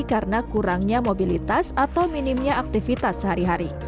karena kurangnya mobilitas atau minimnya aktivitas sehari hari